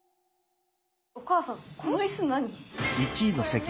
お母さんこの椅子何？